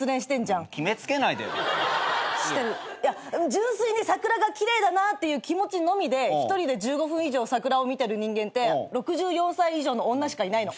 純粋に桜が奇麗だなっていう気持ちのみで一人で１５分以上桜を見てる人間って６４歳以上の女しかいないの。